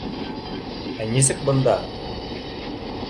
Ә нисек бында?